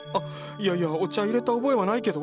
いやいやお茶いれた覚えはないけど？